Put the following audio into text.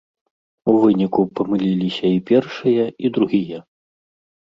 У выніку памыліліся і першыя, і другія.